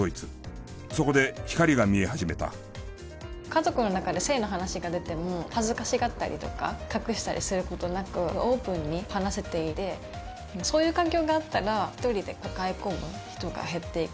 家族の中で性の話が出ても恥ずかしがったりとか隠したりする事なくオープンに話せていてそういう環境があったら一人で抱え込む人が減っていくんじゃないかなと。